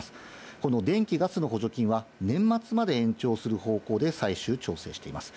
この電気、ガスの補助金は年末まで延長する方向で最終調整しています。